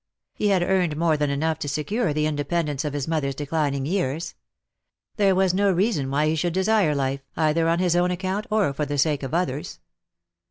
He had earned more than enough to secure the independence of his mother's declining years. There was no reason why he should desire life, either on his own account or for the sake of others.